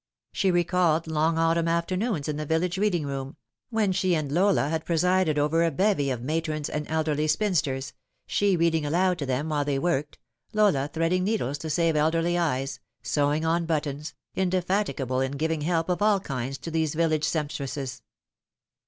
She recalled long autumn afternoons in the village reading room, when she and Lola had presided over a bevy of matrons and elderly spinsters, she reading aloud to them while they worked, Lola threading needles to save elderly eyes, There w always the Skeleton. 85 sewing on buttons, indefatigable in giving help of all kinds to those village sempstresses.